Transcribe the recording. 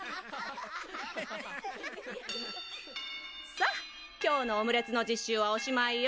さっ今日のオムレツの実習はおしまいよ。